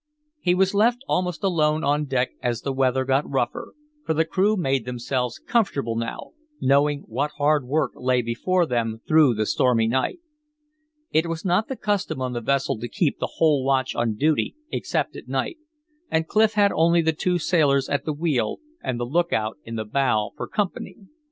He was left almost alone on deck as the weather got rougher; for the crew made themselves comfortable below, knowing what hard work lay before them through the stormy night. It was not the custom on the vessel to keep the whole watch on duty except at night; and Clif had only the two sailors at the wheel and the lookout in the bow for company.